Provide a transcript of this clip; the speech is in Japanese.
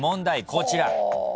こちら。